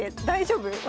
大丈夫？